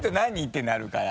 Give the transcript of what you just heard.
てなるから。